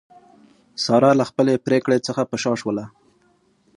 ساره له خپلې پرېکړې څخه په شا شوله.